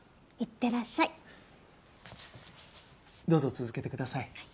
どうぞ続けてください。